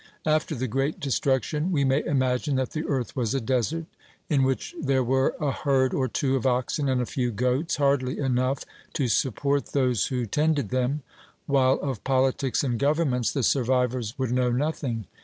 After the great destruction we may imagine that the earth was a desert, in which there were a herd or two of oxen and a few goats, hardly enough to support those who tended them; while of politics and governments the survivors would know nothing.